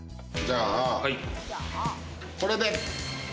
じゃあ、これで。